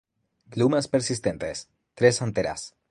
Glumas persistentes; tres anteras.